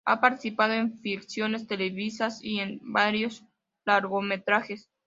Ha participado en ficciones televisivas y en varios largometrajes.